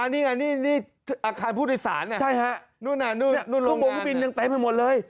อันนี้ไงนี่อาคารผู้โดยศาลเนี่ยนู่นลงงานใช่ฮะข้างบนบินยังเต็มมาหมดเลย